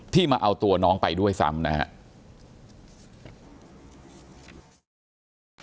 มาเอาตัวน้องไปด้วยซ้ำนะครับ